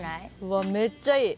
うわめっちゃいい。